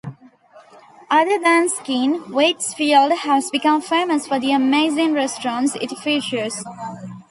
Other than skiing Waitsfield has become famous for the amazing restaurants it features.